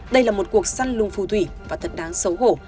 đây là một cuộc săn lùng phù thủy và thật đáng xấu hổ